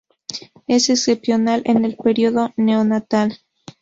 Es excepcional en el período neonatal.